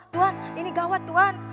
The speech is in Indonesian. tuhan ini gawat tuhan